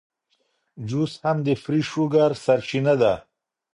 جوس هم د فري شوګر سرچینه ده.